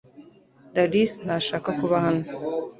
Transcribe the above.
Darisi ntashaka kuba hano .